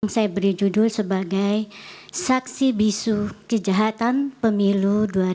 saya beri judul sebagai saksi bisu kejahatan pemilu dua ribu sembilan belas